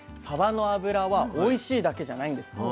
サバの脂はおいしいだけじゃないんです。